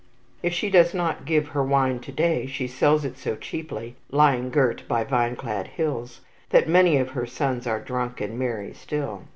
If she does not give her wine to day, she sells it so cheaply lying girt by vine clad hills that many of her sons are drunk and merry still.